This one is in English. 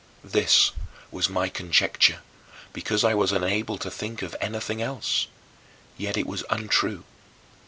This was my conjecture, because I was unable to think of anything else; yet it was untrue.